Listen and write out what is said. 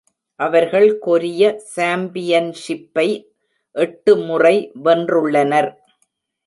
அவர்கள் கொரிய சாம்பியன்ஷிப்பை எட்டு முறை வென்றுள்ளனர்.